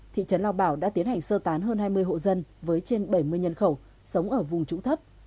thị trấn lao bảo đã tiến hành sơ tán hơn hai mươi hộ dân với trên bảy mươi nhân khẩu sống ở vùng trũng thấp